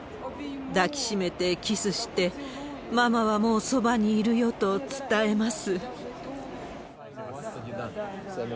抱きしめてキスして、ママはもうそばにいるよと伝えます。